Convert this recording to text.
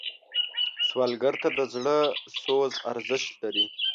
سوالګر ته د زړه سوز ارزښت لري